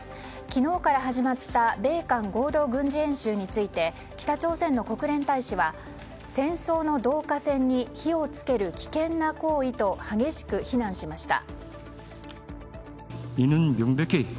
昨日から始まった米韓合同軍事演習について北朝鮮の国連大使は戦争の導火線に火を付ける危険な行為と激しく非難しました。